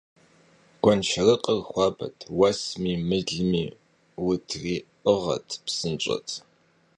Гуэншэрыкъыр хуабэт, уэсми мылми утриӀыгъэрт, псынщӀэт.